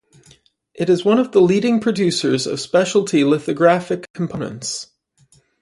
It is one of the leading producers of specialty lithographic components.